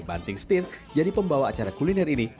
banting stin jadi pembawa acara kuliner ini